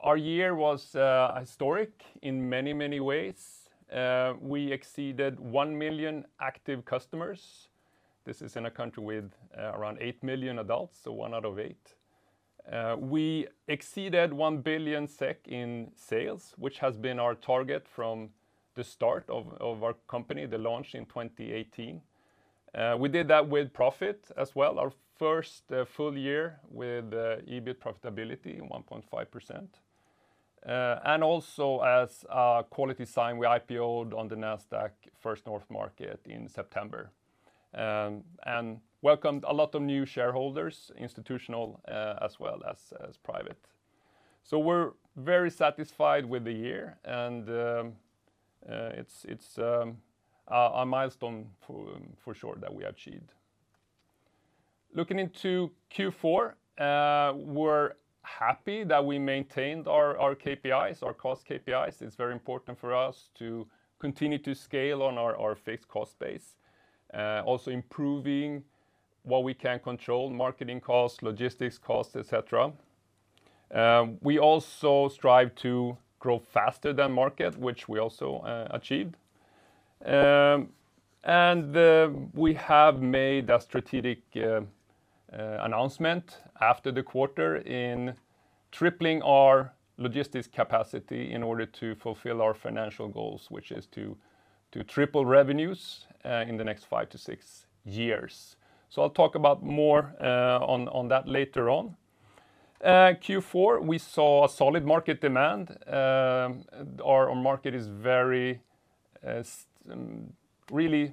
Our year was historic in many, many ways. We exceeded 1 million active customers. This is in a country with around 8 million adults, so one out of eight. We exceeded 1 billion SEK in sales, which has been our target from the start of our company, the launch in 2018. We did that with profit as well, our first full year with EBIT profitability, 1.5%. And also as a quality sign, we IPO'd on the Nasdaq First North market in September, and welcomed a lot of new shareholders, institutional, as well as private. So we're very satisfied with the year, and it's a milestone for sure that we achieved. Looking into Q4, we're happy that we maintained our KPIs, our cost KPIs. It's very important for us to continue to scale on our fixed cost base. Also improving what we can control, marketing costs, logistics costs, et cetera. We also strive to grow faster than market, which we also achieved. We have made a strategic announcement after the quarter in tripling our logistics capacity in order to fulfill our financial goals, which is to triple revenues in the next five to six years. So I'll talk about more on that later on. Q4, we saw solid market demand. Our market is very really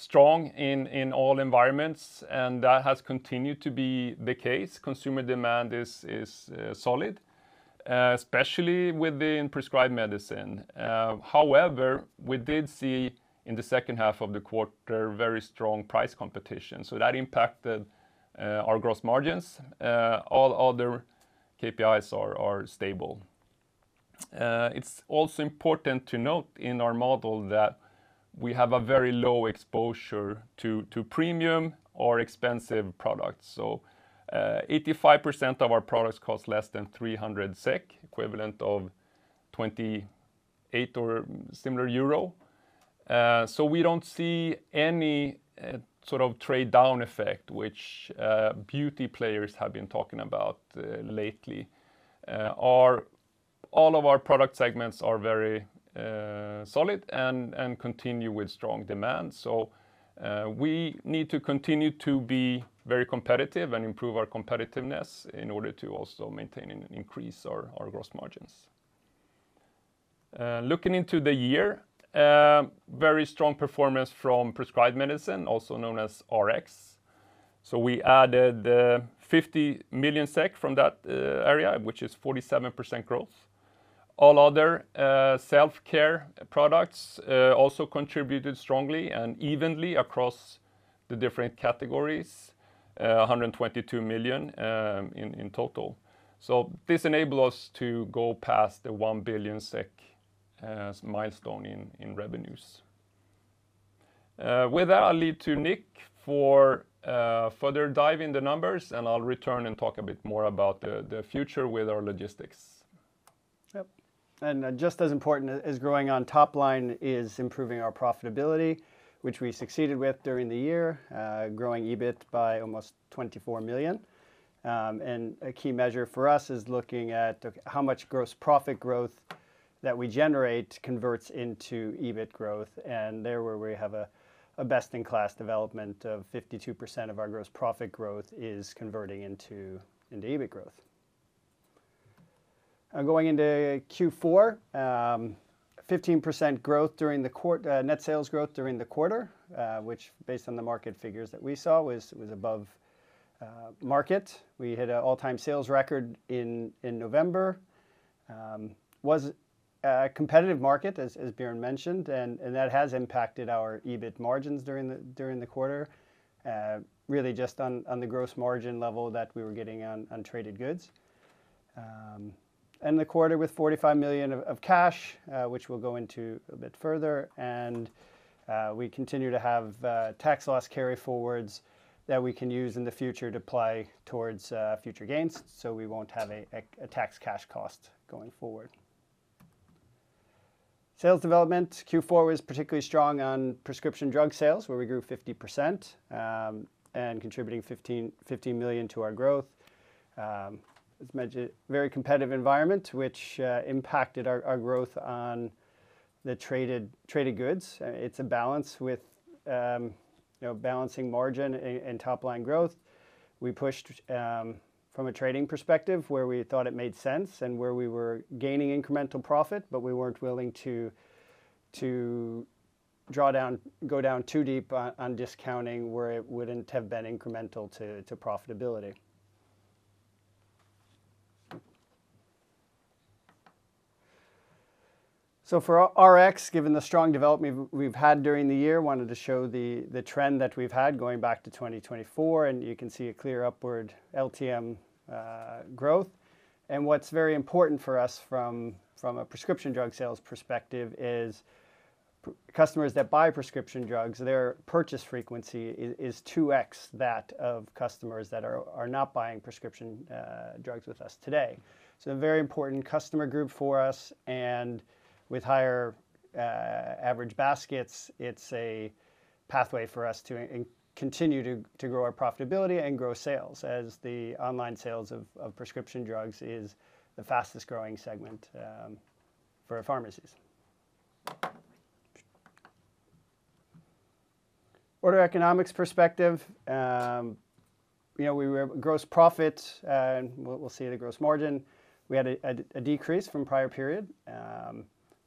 strong in all environments, and that has continued to be the case. Consumer demand is solid, especially within prescribed medicine. However, we did see in the second half of the quarter very strong price competition, so that impacted our gross margins. All other KPIs are stable. It's also important to note in our model that we have a very low exposure to premium or expensive products. So, 85% of our products cost less than 300 SEK, equivalent of 28 or similar EUR. So we don't see any sort of trade-down effect, which beauty players have been talking about lately. All of our product segments are very solid and continue with strong demand. So, we need to continue to be very competitive and improve our competitiveness in order to also maintain and increase our gross margins. Looking into the year, very strong performance from prescribed medicine, also known as Rx. So we added 50 million SEK from that area, which is 47% growth. All other self-care products also contributed strongly and evenly across the different categories, 122 million in total. So this enable us to go past the 1 billion SEK milestone in revenues. With that, I'll leave to Nick for a further dive in the numbers, and I'll return and talk a bit more about the future with our logistics. Yep, and just as important as growing on top line is improving our profitability, which we succeeded with during the year, growing EBIT by almost 24 million. And a key measure for us is looking at how much gross profit growth that we generate converts into EBIT growth, and there we have a best-in-class development of 52% of our gross profit growth is converting into EBIT growth. Now, going into Q4, 15% growth during the quarter, net sales growth during the quarter, which based on the market figures that we saw, was above market. We hit an all-time sales record in November. It was a competitive market, as Björn mentioned, and that has impacted our EBIT margins during the quarter, really just on the Gross Margin level that we were getting on traded goods. Ended the quarter with 45 million of cash, which we'll go into a bit further, and we continue to have tax loss carryforwards that we can use in the future to apply towards future gains, so we won't have a tax cash cost going forward. Sales development, Q4 was particularly strong on prescription drug sales, where we grew 50%, and contributing 50 million to our growth. As mentioned, very competitive environment, which impacted our growth on the traded goods. It's a balance with, you know, balancing margin and top-line growth. We pushed from a trading perspective where we thought it made sense and where we were gaining incremental profit, but we weren't willing to go down too deep on discounting where it wouldn't have been incremental to profitability. So for our Rx, given the strong development we've had during the year, wanted to show the trend that we've had going back to 2024, and you can see a clear upward LTM growth. And what's very important for us from a prescription drug sales perspective is customers that buy prescription drugs, their purchase frequency is 2x that of customers that are not buying prescription drugs with us today. So a very important customer group for us, and with higher average baskets, it's a pathway for us to and continue to grow our profitability and grow sales, as the online sales of prescription drugs is the fastest-growing segment for pharmacies. Order economics perspective, you know, gross profit, and we'll see the Gross Margin. We had a decrease from prior period,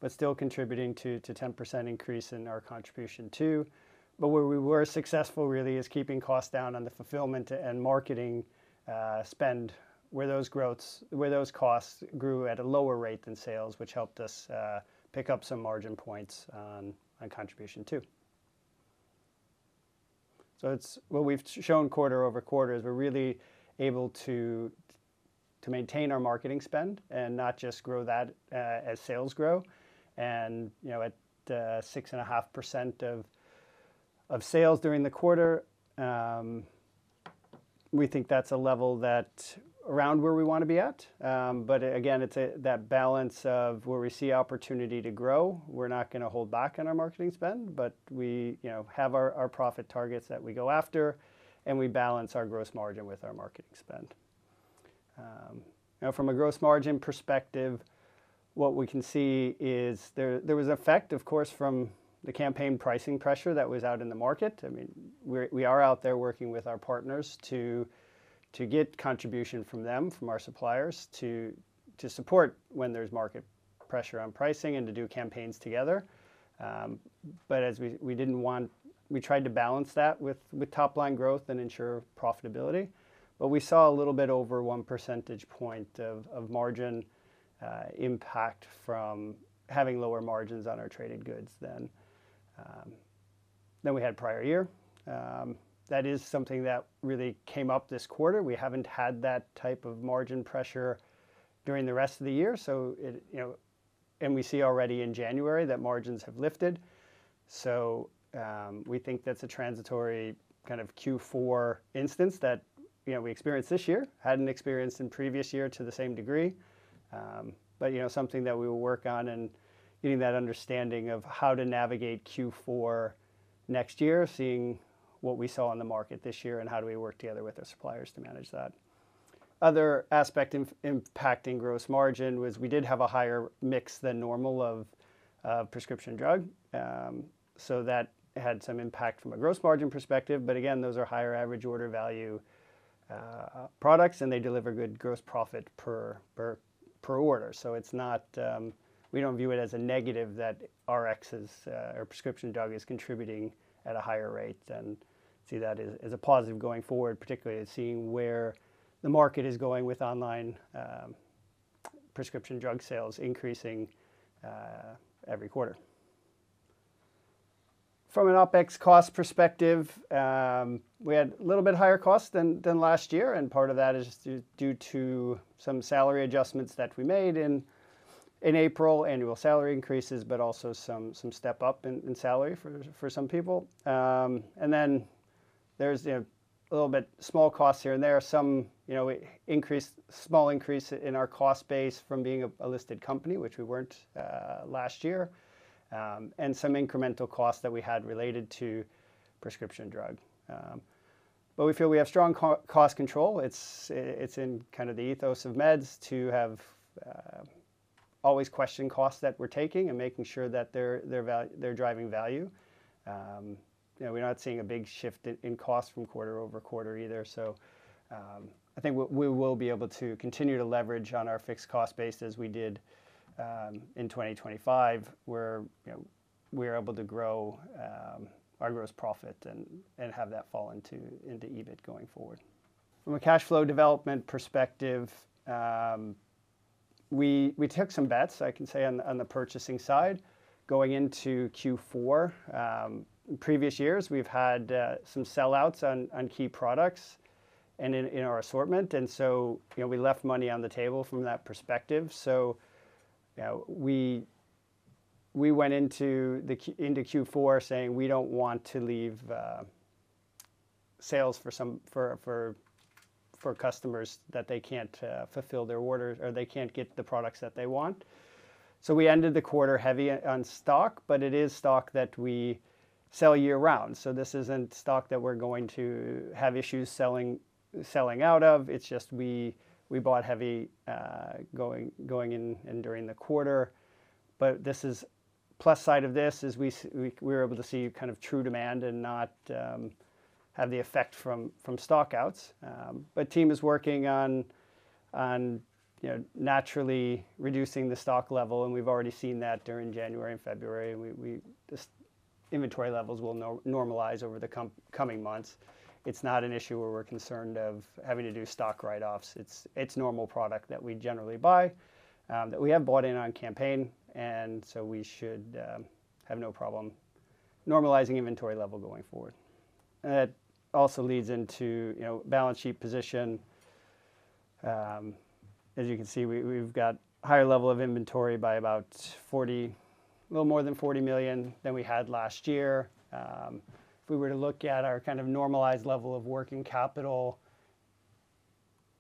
but still contributing to 10% increase in our contribution 2. But where we were successful really is keeping costs down on the fulfillment and marketing spend, where those costs grew at a lower rate than sales, which helped us pick up some margin points on contribution 2. So it's... What we've shown QoQ is we're really able to maintain our marketing spend and not just grow that as sales grow. You know, at 6.5% of sales during the quarter, we think that's a level that around where we want to be at. But again, it's that balance of where we see opportunity to grow. We're not gonna hold back on our marketing spend, but we you know have our profit targets that we go after, and we balance our Gross Margin with our marketing spend. Now, from a Gross Margin perspective, what we can see is there was effect, of course, from the campaign pricing pressure that was out in the market. I mean, we are out there working with our partners to get contribution from them, from our suppliers, to support when there's market pressure on pricing and to do campaigns together. But as we tried to balance that with top-line growth and ensure profitability. But we saw a little bit over one percentage point of margin impact from having lower margins on our traded goods than we had prior year. That is something that really came up this quarter. We haven't had that type of margin pressure during the rest of the year, so it, you know... And we see already in January that margins have lifted. So, we think that's a transitory kind of Q4 instance that, you know, we experienced this year we hadn't experienced in previous year to the same degree. But, you know, something that we will work on and getting that understanding of how to navigate Q4 next year, seeing what we saw on the market this year, and how do we work together with our suppliers to manage that. Other aspect impacting Gross Margin was we did have a higher mix than normal of prescription drug. So that had some impact from a Gross Margin perspective, but again, those are higher average order value products, and they deliver good gross profit per order. So it's not... We don't view it as a negative that Rx or prescription drug is contributing at a higher rate than... See that as a positive going forward, particularly as seeing where the market is going with online prescription drug sales increasing every quarter. From an OpEx cost perspective, we had a little bit higher cost than last year, and part of that is due to some salary adjustments that we made in April. Annual salary increases, but also some step up in salary for some people. And then there's, you know, a little bit small costs here and there. Some, you know, small increase in our cost base from being a listed company, which we weren't last year. And some incremental costs that we had related to prescription drug. But we feel we have strong cost control. It's in kind of the ethos of Meds to have always questioning costs that we're taking and making sure that they're driving value. You know, we're not seeing a big shift in, in cost from QoQ either, so, I think we, we will be able to continue to leverage on our fixed cost base as we did, in 2025, where, you know, we are able to grow, our gross profit and, and have that fall into, into EBIT going forward. From a cash flow development perspective, we, we took some bets, I can say, on, on the purchasing side, going into Q4. In previous years, we've had, some sellouts on, on key products and in, in our assortment, and so, you know, we left money on the table from that perspective. So, you know, we went into Q4 saying: "We don't want to leave sales for customers that they can't fulfill their orders or they can't get the products that they want." So we ended the quarter heavy on stock, but it is stock that we sell year-round. So this isn't stock that we're going to have issues selling out of, it's just we bought heavy going into the quarter. But this is the plus side of this, is we're able to see kind of true demand and not have the effect from stock outs. But team is working on, you know, naturally reducing the stock level, and we've already seen that during January and February. This inventory levels will normalize over the coming months. It's not an issue where we're concerned of having to do stock write-offs. It's normal product that we generally buy that we have bought in on campaign, and so we should have no problem normalizing inventory level going forward. That also leads into, you know, balance sheet position. As you can see, we've got higher level of inventory by about 40, a little more than 40 million than we had last year. If we were to look at our kind of normalized level of working capital,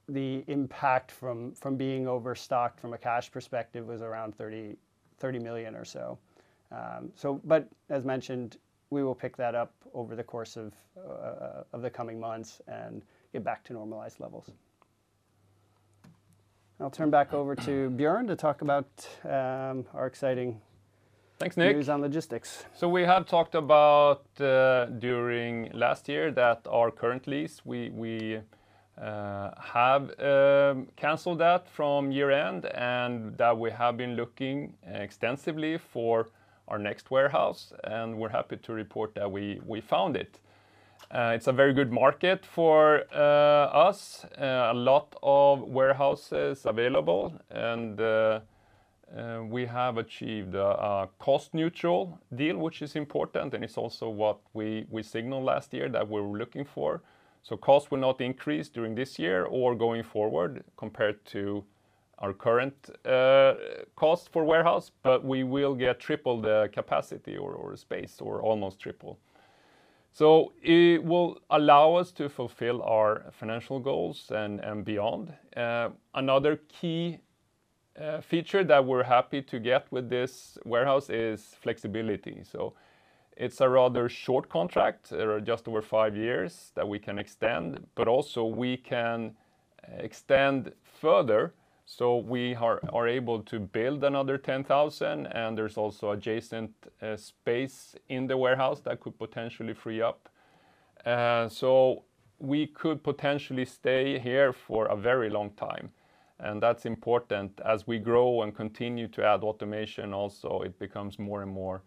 the impact from being overstocked from a cash perspective was around 30 million or so. But as mentioned, we will pick that up over the course of the coming months and get back to normalized levels. I'll turn back over to Björn to talk about our exciting- Thanks, Nick - news on logistics. So we have talked about during last year that our current lease we have canceled that from year-end, and that we have been looking extensively for our next warehouse, and we're happy to report that we found it. It's a very good market for us. A lot of warehouses available and we have achieved a cost-neutral deal, which is important, and it's also what we signaled last year that we were looking for. So costs will not increase during this year or going forward compared to our current cost for warehouse, but we will get triple the capacity or space, or almost triple. So it will allow us to fulfill our financial goals and beyond. Another key feature that we're happy to get with this warehouse is flexibility. So it's a rather short contract, just over five years, that we can extend, but also we can extend further. So we are able to build another 10,000, and there's also adjacent space in the warehouse that could potentially free up. So we could potentially stay here for a very long time, and that's important. As we grow and continue to add automation also, it becomes more and more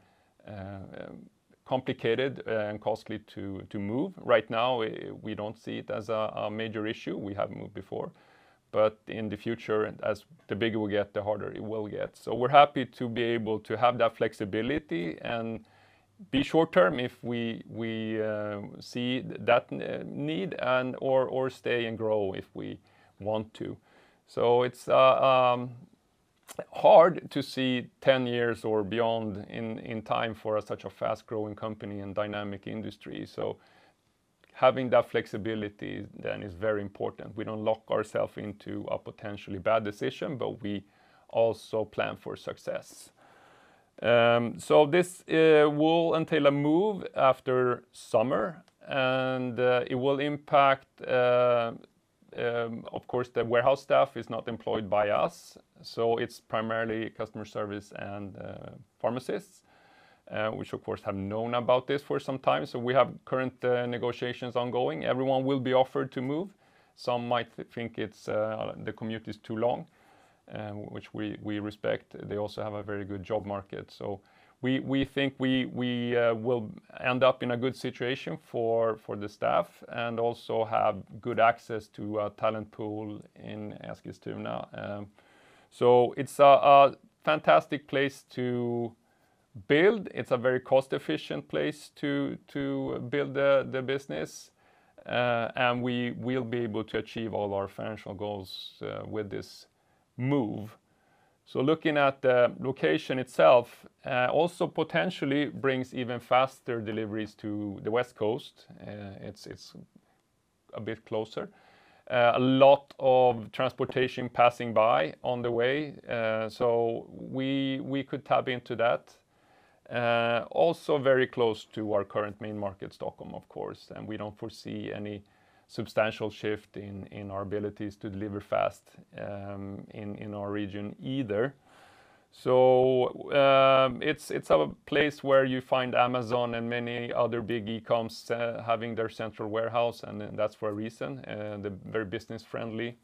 complicated and costly to move. Right now, we don't see it as a major issue. We have moved before, but in the future, as the bigger we get, the harder it will get. So we're happy to be able to have that flexibility and be short term if we see that need or stay and grow if we want to. So it's hard to see 10 years or beyond in time for such a fast-growing company and dynamic industry. So having that flexibility then is very important. We don't lock ourselves into a potentially bad decision, but we also plan for success. So this will entail a move after summer, and it will impact... Of course, the warehouse staff is not employed by us, so it's primarily customer service and pharmacists, which of course, have known about this for some time. So we have current negotiations ongoing. Everyone will be offered to move. Some might think it's the commute is too long, which we respect. They also have a very good job market. So we think we will end up in a good situation for the staff and also have good access to a talent pool in Eskilstuna. So it's a fantastic place to build. It's a very cost-efficient place to build the business, and we will be able to achieve all our financial goals with this move. So looking at the location itself, also potentially brings even faster deliveries to the West Coast. It's a bit closer. A lot of transportation passing by on the way, so we could tap into that. Also very close to our current main market, Stockholm, of course, and we don't foresee any substantial shift in our abilities to deliver fast, in our region either. So, it's a place where you find Amazon and many other big e-coms having their central warehouse, and that's for a reason, the very business-friendly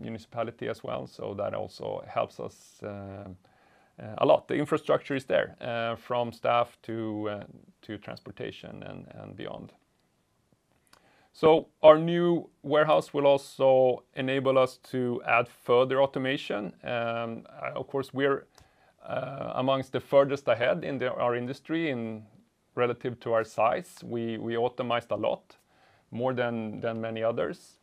municipality as well, so that also helps us a lot. The infrastructure is there, from staff to transportation and beyond. So our new warehouse will also enable us to add further automation. Of course, we're amongst the furthest ahead in our industry relative to our size. We automated a lot, more than many others.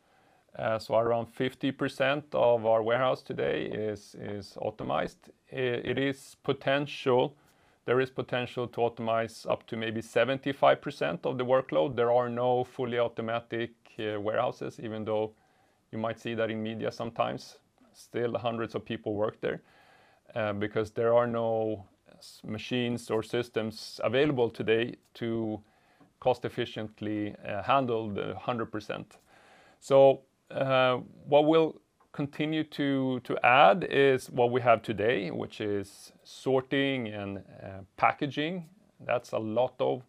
So around 50% of our warehouse today is automated. There is potential to automate up to maybe 75% of the workload. There are no fully automatic warehouses, even though you might see that in media sometimes. Still, hundreds of people work there, because there are no machines or systems available today to cost efficiently handle the 100%. So, what we'll continue to add is what we have today, which is sorting and packaging. That's a lot of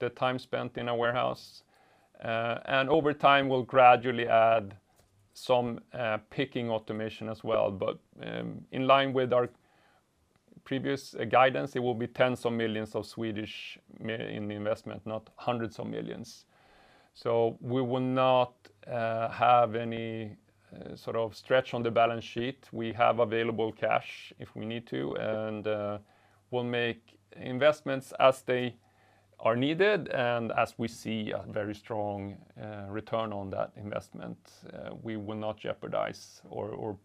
the time spent in a warehouse. And over time, we'll gradually add some picking automation as well. But, in line with our previous guidance, it will be tens of millions of SEK in investment, not hundreds of millions of SEK. So we will not have any sort of stretch on the balance sheet. We have available cash if we need to, and we'll make investments as they-... are needed, and as we see a very strong return on that investment, we will not jeopardize or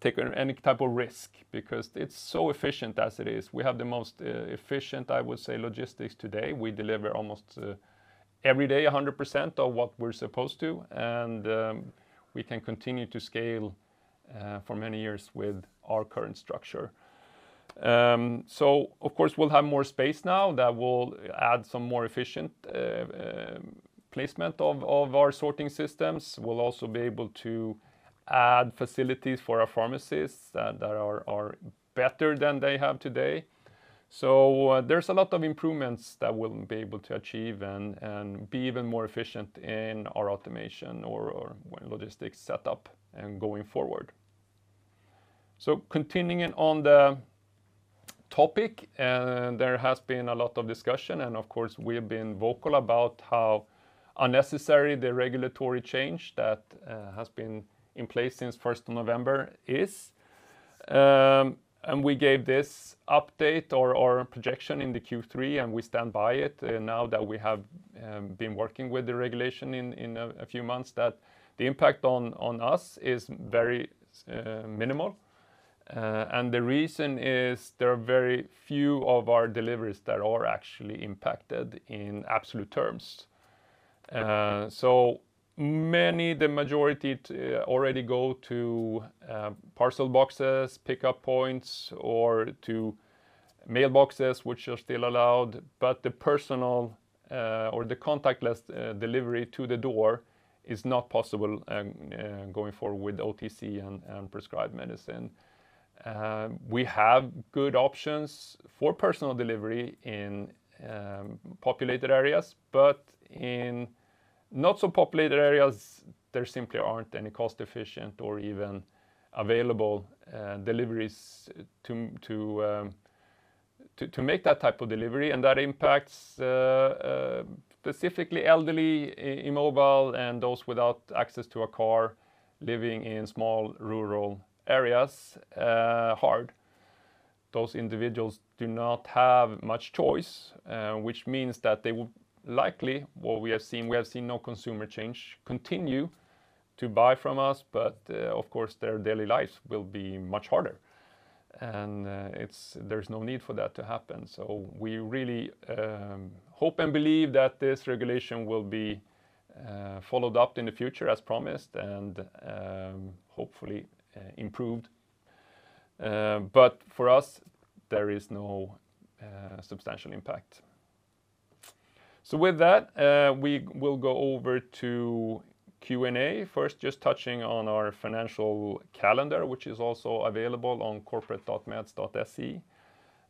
take any type of risk because it's so efficient as it is. We have the most efficient, I would say, logistics today. We deliver almost every day, 100% of what we're supposed to, and we can continue to scale for many years with our current structure. So of course, we'll have more space now that will add some more efficient placement of our sorting systems. We'll also be able to add facilities for our pharmacists that are better than they have today. So there's a lot of improvements that we'll be able to achieve and be even more efficient in our automation or logistics setup and going forward. So continuing on the topic, there has been a lot of discussion, and of course, we have been vocal about how unnecessary the regulatory change that has been in place since first November is. And we gave this update or projection in the Q3, and we stand by it, now that we have been working with the regulation in a few months, that the impact on us is very minimal. And the reason is there are very few of our deliveries that are actually impacted in absolute terms. So many, the majority, already go to parcel boxes, pickup points, or to mailboxes, which are still allowed, but the personal or the contactless delivery to the door is not possible going forward with OTC and prescribed medicine. We have good options for personal delivery in populated areas, but in not so populated areas, there simply aren't any cost-efficient or even available deliveries to make that type of delivery, and that impacts specifically elderly, immobile, and those without access to a car living in small, rural areas hard. Those individuals do not have much choice, which means that they will likely, what we have seen, we have seen no consumer change, continue to buy from us, but of course, their daily lives will be much harder. It's... there's no need for that to happen. We really hope and believe that this regulation will be followed up in the future, as promised, and hopefully improved. But for us, there is no substantial impact. So with that, we will go over to Q&A. First, just touching on our financial calendar, which is also available on corporate.meds.se.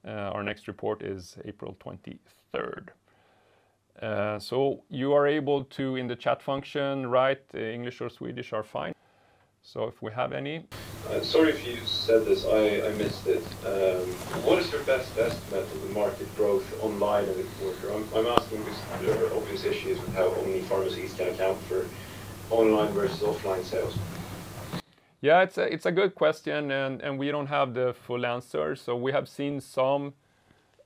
Our next report is April 23rd. So you are able to, in the chat function, write English or Swedish are fine. So if we have any? Sorry, if you said this, I missed it. What is your best estimate of the market growth online and in quarter? I'm asking because there are obvious issues with how only pharmacies can account for online versus offline sales. Yeah, it's a good question, and we don't have the full answer. So we have seen some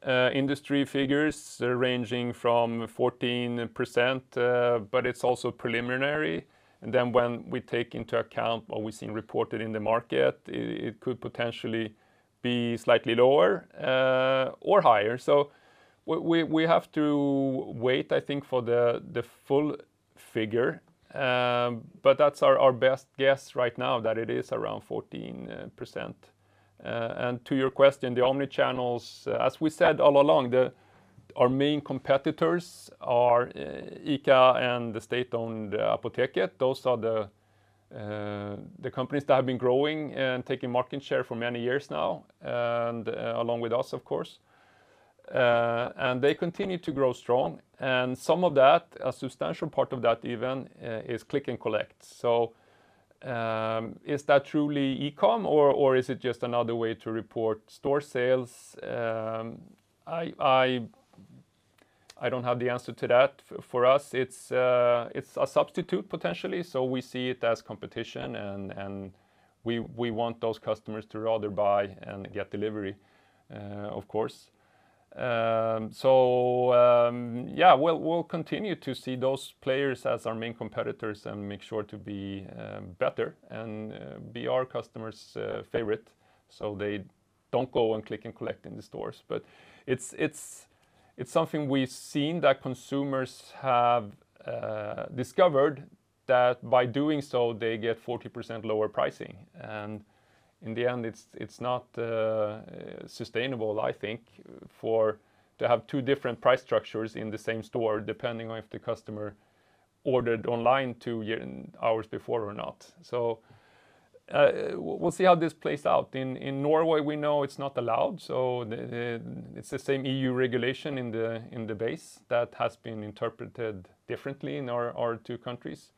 industry figures ranging from 14%, but it's also preliminary. And then when we take into account what we've seen reported in the market, it could potentially be slightly lower or higher. So we have to wait, I think, for the full figure. But that's our best guess right now, that it is around 14%. And to your question, the omnichannels, as we said all along, our main competitors are ICA and the state-owned Apoteket. Those are the companies that have been growing and taking market share for many years now, and along with us, of course. And they continue to grow strong, and some of that, a substantial part of that even, is click and collect. So, is that truly e-com or, or is it just another way to report store sales? I don't have the answer to that. For us, it's a substitute, potentially, so we see it as competition, and we want those customers to rather buy and get delivery, of course. So, yeah, we'll continue to see those players as our main competitors and make sure to be better and be our customers' favorite, so they don't go and click and collect in the stores. But it's something we've seen that consumers have discovered, that by doing so, they get 40% lower pricing. In the end, it's not sustainable, I think, for to have two different price structures in the same store, depending on if the customer ordered online two-hour before or not. So, we'll see how this plays out. In Norway, we know it's not allowed, so the it's the same E.U. regulation in the base that has been interpreted differently in our two countries.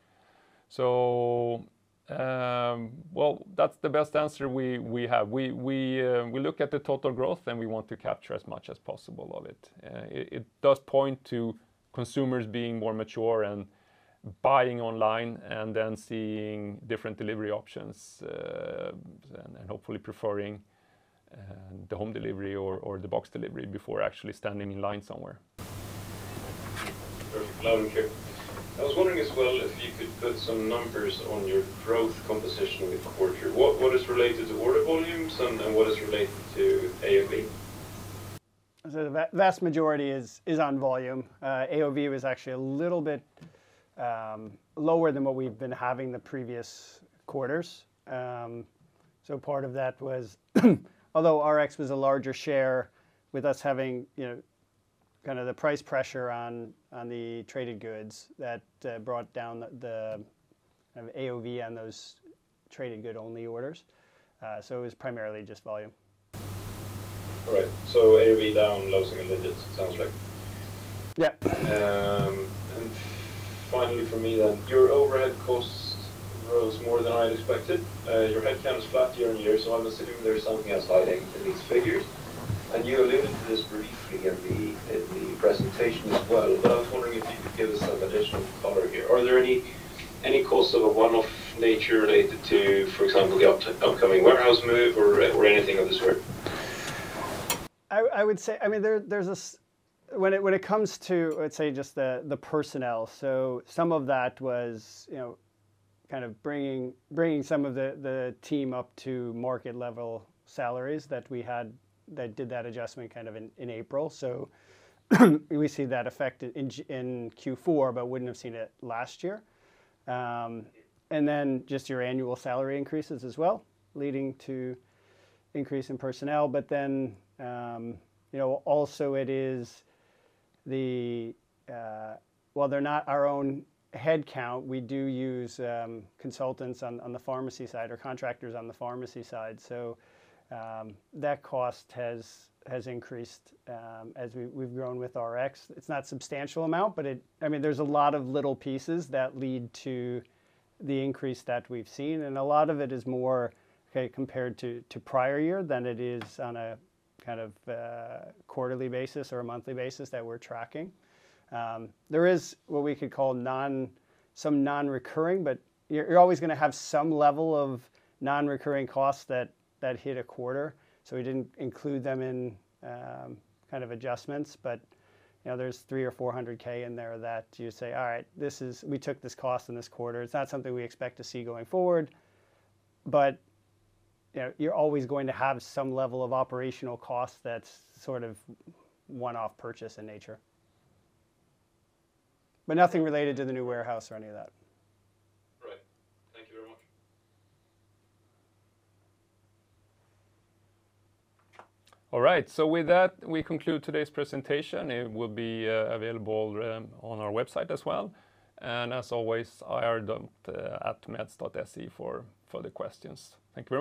So, well, that's the best answer we have. We look at the total growth, and we want to capture as much as possible of it. It does point to consumers being more mature and buying online and then seeing different delivery options, and hopefully preferring the home delivery or the box delivery before actually standing in line somewhere.... Perfect. Laurin here. I was wondering as well if you could put some numbers on your growth composition report here. What, what is related to order volumes and, and what is related to AOV? So the vast majority is on volume. AOV was actually a little bit lower than what we've been having the previous quarters. So part of that was, although Rx was a larger share with us having, you know, kind of the price pressure on, on the traded goods that brought down the kind of AOV on those traded good only orders. So it was primarily just volume. All right. So AOV down low-single digits, it sounds like? Yeah. And finally for me then, your overhead cost rose more than I'd expected. Your headcount is flat YoY, so I'm assuming there's something else hiding in these figures. You alluded to this briefly in the presentation as well, but I was wondering if you could give us some additional color here. Are there any costs of a one-off nature related to, for example, the upcoming warehouse move or anything of the sort? I would say... I mean, there's when it comes to, I'd say, just the personnel, so some of that was, you know, kind of bringing some of the team up to market-level salaries that we had, that did that adjustment kind of in April. So, we see that effect in Q4, but wouldn't have seen it last year. And then just your annual salary increases as well, leading to increase in personnel. But then, you know, also it is the... While they're not our own headcount, we do use consultants on the pharmacy side or contractors on the pharmacy side. So, that cost has increased as we've grown with Rx. It's not substantial amount, but it, I mean, there's a lot of little pieces that lead to the increase that we've seen, and a lot of it is more, okay, compared to, to prior year than it is on a kind of, quarterly basis or a monthly basis that we're tracking. There is what we could call some non-recurring, but you're always gonna have some level of non-recurring costs that hit a quarter, so we didn't include them in, kind of adjustments. But, you know, there's 300,000 or 400,000 in there that you say, "All right, this is, we took this cost in this quarter." It's not something we expect to see going forward, but, you know, you're always going to have some level of operational cost that's sort of one-off purchase in nature. But nothing related to the new warehouse or any of that. Right. Thank you very much. All right, with that, we conclude today's presentation. It will be available on our website as well. As always, ir@meds.se for further questions. Thank you very much.